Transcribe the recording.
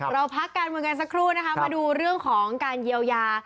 เราพักการเมืองกันสักครู่นะคะมาดูเรื่องของการเยียวยา